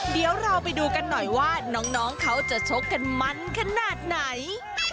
เดี๋ยวเราไปดูกันหน่อยว่าน้องเขาจะชกกันมันขนาดไหน